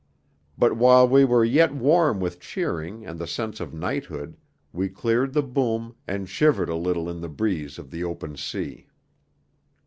But while we were yet warm with cheering and the sense of knighthood, we cleared the boom and shivered a little in the breeze of the open sea.